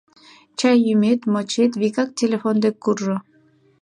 Чай йӱмет, мочет, вигак телефон дек куржо.